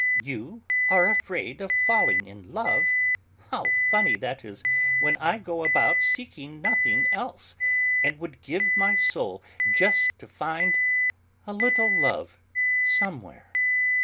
"You are afraid of falling in love? How funny that is, when I go about seeking nothing else, and would give my soul just to find a little love somewhere!"